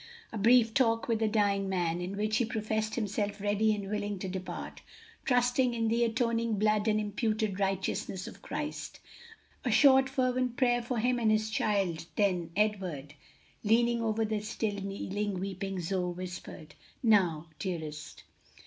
A brief talk with the dying man, in which he professed himself ready and willing to depart, trusting in the atoning blood and imputed righteousness of Christ, a short fervent prayer for him and his child, then Edward, leaning over the still kneeling, weeping Zoe, whispered, "Now, dearest!"